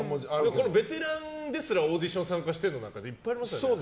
ベテランがオーディション参加してるのいっぱいありますよね。